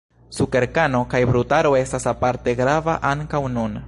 Sukerkano kaj brutaro estas aparte grava ankaŭ nun.